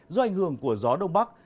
do ảnh hưởng của gió đông bắc